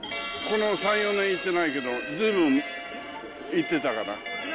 この３、４年、行ってないけど、ずいぶん行ってたから。